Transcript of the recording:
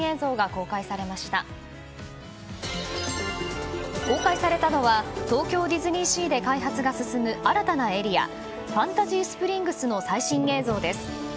公開されたのは東京ディズニーシーで開発が進む新たなエリアファンタジースプリングスの最新映像です。